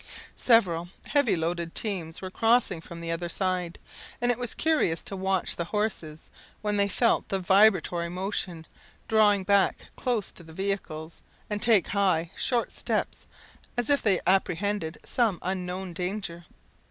Several heavy loaded teams were crossing from the other side, and it was curious to watch the horses, when they felt the vibratory motion, draw back close to the vehicles, and take high, short steps, as if they apprehended some unknown danger.